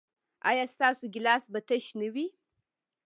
ایا ستاسو ګیلاس به تش نه وي؟